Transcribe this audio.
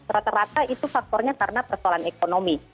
rata rata itu faktornya karena persoalan ekonomi